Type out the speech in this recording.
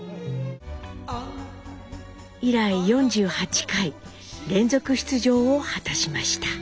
以来４８回連続出場を果たしました。